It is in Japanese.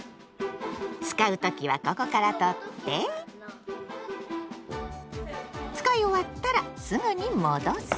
使う時はここから取って使い終わったらすぐに戻す。